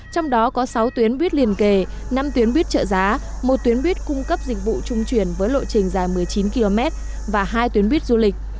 trong đó có sáu tuyến buýt liền kề năm tuyến buýt trợ giá một tuyến buýt cung cấp dịch vụ trung chuyển với lộ trình dài một mươi chín km và hai tuyến buýt du lịch